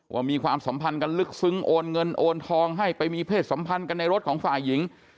มีความสัมพันธ์กันลึกซึ้งโอนเงินโอนทองให้ไปมีเพศสัมพันธ์กันในรถของฝ่ายหญิง